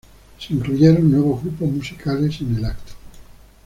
Se incluyeron nuevos grupos musicales en el evento.